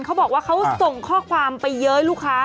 เขาบอกว่าเขาส่งข้อความไปเย้ยลูกค้า